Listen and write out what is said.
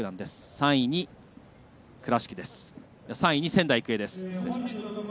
３位に仙台育英です。